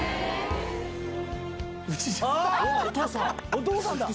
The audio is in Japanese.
お父さんだ！